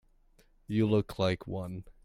You look like one.